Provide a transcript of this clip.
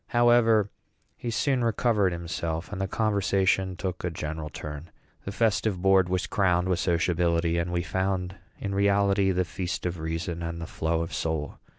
However, he soon recovered himself, and the conversation took a general turn. The festive board was crowned with sociability, and we found in reality "the feast of reason and the flow of soul."